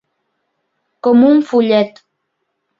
Com un follet.